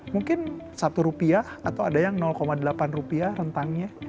mungkin satu rupiah atau ada yang delapan rupiah rentangnya